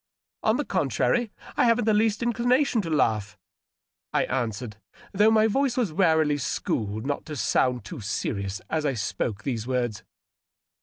" On the contrary, I haven't the least inclination to laugh," I an swered, though my voice was warily schooled not to sound too serious as I spoke these words.